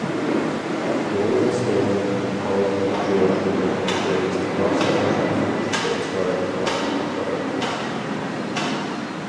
"Rolling Stone" Holly George-Warren praised "Crosstown Traffic" for its hard rock guitar riff.